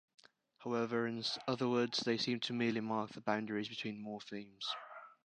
However, in other words they seem to merely mark the boundaries between morphemes.